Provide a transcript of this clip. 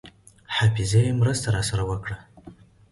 حافظې مرسته راسره وکړه.